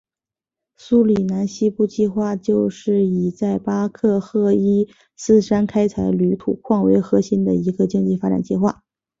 苏里南西部计划就是以在巴克赫伊斯山开采铝土矿为核心的一个经济发展计划。